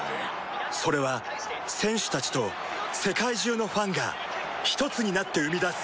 それは選手たちと世界中のファンがひとつになって生み出す